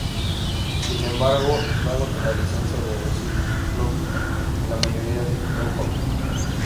Sin embargo, dado que la licencia de re-ciclo de la mayoría de Kaufmann.